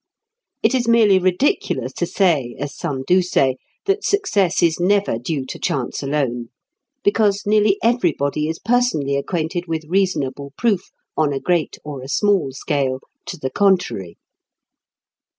It is merely ridiculous to say, as some do say, that success is never due to chance alone. Because nearly everybody is personally acquainted with reasonable proof, on a great or a small scale, to the contrary.